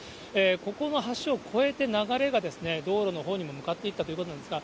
ここの橋を越えて流れが道路のほうにも向かっていったということなんですが。